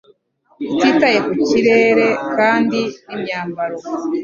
Utitaye ku kirere kandi nimyambaro